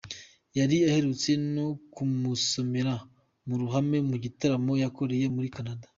Yari aherutse no kumusomera mu ruhame mu gitaramo yakoreye muri Canada.